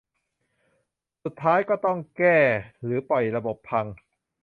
สุดท้ายก็ต้องแก้ หรือปล่อยระบบพัง